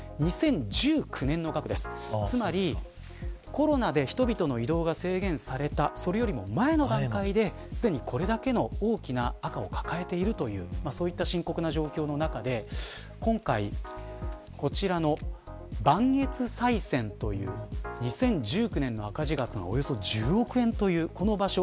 コロナで人々の移動が制限されたそれよりも前の段階ですでにこれだけの大きな赤を抱えているというそうした深刻な状況の中で今回、こちらの磐越西線という２０１９年の赤字額がおよそ１０億円というこの場所。